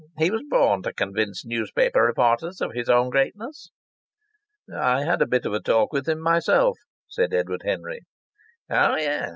He was born to convince newspaper reporters of his own greatness." "I had a bit of a talk with him myself," said Edward Henry. "Oh, yes!